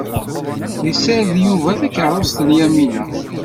Yessared Yuba takerrust n Yamina.